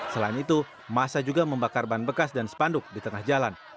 selain itu masa juga membakar ban bekas dan spanduk di tengah jalan